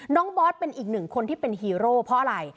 บอสเป็นอีกหนึ่งคนที่เป็นฮีโร่เพราะอะไร